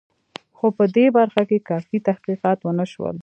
خو په دې برخه کې کافي تحقیقات ونه شول.